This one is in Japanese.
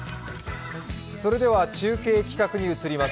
それでは中継企画に移ります。